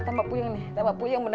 bunga bujang ini sudah patuh